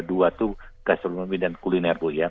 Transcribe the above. dua itu gastronomi dan kuliner